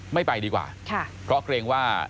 ไม่ไปดีกว่าเพราะเกรงว่า